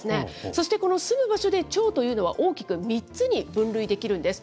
そしてこの住む場所でチョウというのは、大きく３つに分類できるんです。